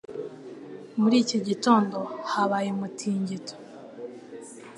Muri iki gitondo habaye umutingito.